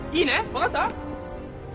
分かった？